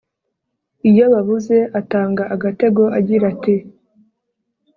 iyo yababuze atanga agategoagira ati